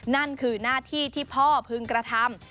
นั่นคือหน้าที่ที่พ่อพึงกระทำ